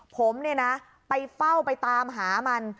ผมเนี่ยนะไปเฝ้าไปตามหามัน